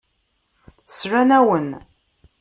Slan-awen.